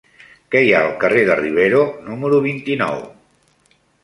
Què hi ha al carrer de Rivero número vint-i-nou?